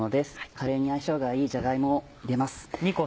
カレーに相性がいいじゃが芋を入れます。